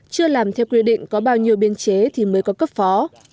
chưa làm theo quy định có bao nhiêu biên chế thì mới có cấp phó